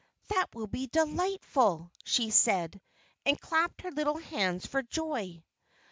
"That will be delightful!" she said, and clapped her little hands for joy.